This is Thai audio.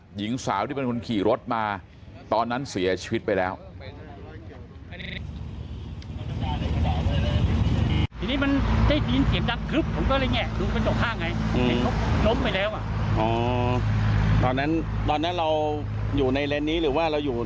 หญิงสาวที่เป็นคนขี่รถมาตอนนั้นเสียชีวิตไปแล้ว